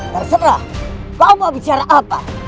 terserah bapak mau bicara apa